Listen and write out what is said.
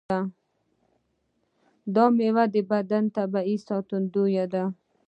دا میوه د بدن طبیعي ساتندوی ده.